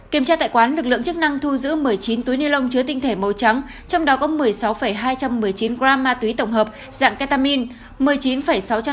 kiểm tra tại quán lực lượng chức năng thu giữ một mươi chín túi ni lông chứa tinh thể màu trắng trong đó có một mươi sáu hai trăm một mươi chín gram ma túy tổng hợp dạng ketamine